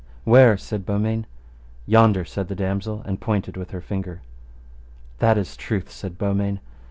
Where? said Beaumains. Yonder, said the damosel, and pointed with her finger. That is truth, said Beaumains.